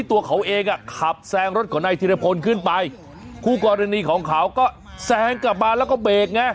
ตัวเขาเองอ่ะขับแซงรถของนายธิรพลขึ้นไปคู่กรณีของเขาก็แซงกลับมาแล้วก็เบรกไง